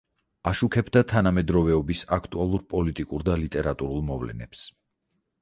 აშუქებდა თანამედროვეობის აქტუალურ პოლიტიკურ და ლიტერატურულ მოვლენებს.